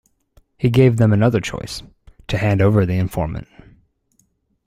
He gave them another choice: to hand over the informant.